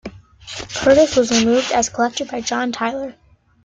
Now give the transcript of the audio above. Curtis was removed as collector by John Tyler.